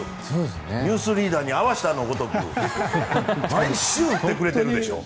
「ニュースリーダー」に合わせたかのごとく毎週打ってくれてるでしょ。